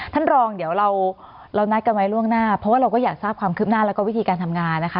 ท่านรองเดี๋ยวเรานัดกันไว้ล่วงหน้าเพราะว่าเราก็อยากทราบความคืบหน้าแล้วก็วิธีการทำงานนะคะ